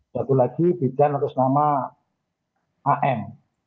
satu lagi bidan atas nama am